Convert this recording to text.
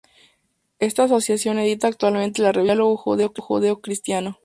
Esta asociación edita actualmente la revista "Diálogo Judeo-Cristiano.